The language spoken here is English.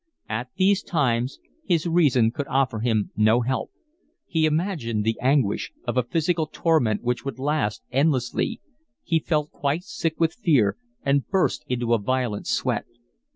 At these times his reason could offer him no help, he imagined the anguish of a physical torment which would last endlessly, he felt quite sick with fear and burst into a violent sweat.